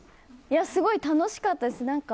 すごい楽しかったです。